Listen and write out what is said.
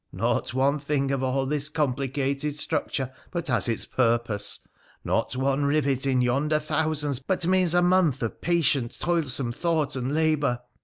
Not one thing of all this complicated structure but has its pur pose ; not one rivet in yonder thousands but means a month of patient toilsome thought and labour.